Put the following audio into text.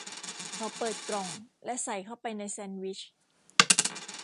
เขาเปิดกล่องและใส่เข้าไปในแซนด์วิช